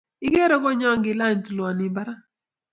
Igere goinyon ngilany tulwoni barak.